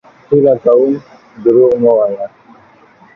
هيله کوم دروغ مه وايه!